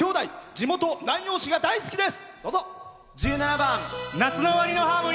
地元・南陽市が大好きです。